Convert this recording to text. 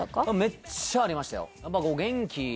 めっちゃありましたよ